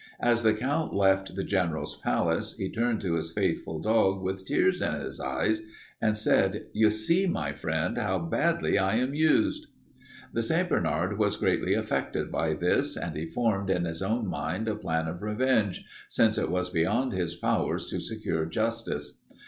As the Count left the General's palace, he turned to his faithful dog, with tears in his eyes, and said, 'You see, my friend, how badly I am used.' "The St. Bernard was greatly affected by this, and he formed in his own mind a plan of revenge, since it was beyond his powers to secure justice.